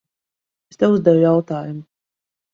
Es tev uzdevu jautājumu.